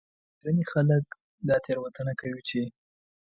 ځینې خلک دا تېروتنه کوي چې